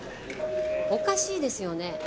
おかしいですよね？